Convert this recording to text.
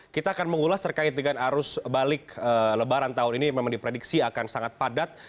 kita akan mengulas terkait dengan arus balik lebaran tahun ini memang diprediksi akan sangat padat